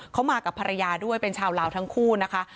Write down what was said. เขามากับภรรยาด้วยเป็นชาวลาวทั้งคู่นะคะ